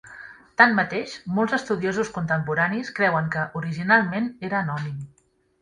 Tanmateix, molts estudiosos contemporanis creuen que originalment era anònim.